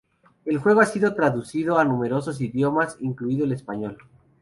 El juego ha sido traducido a numerosos idiomas, incluido el español.